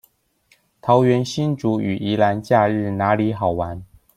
桃園新竹與宜蘭假日哪裡好玩